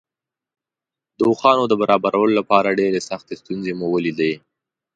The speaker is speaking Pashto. د اوښانو د برابرولو لپاره ډېرې سختې ستونزې مو ولیدې.